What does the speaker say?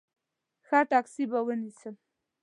ښه ټیکسي به ونیسم.